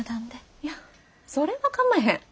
いやそれは構へん。